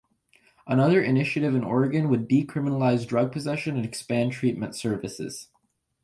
Another initiative in Oregon would decriminalize drug possession and expand treatment services.